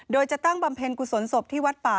โดยจะตั้งบำเพ็ญกุศลศพที่วัดป่า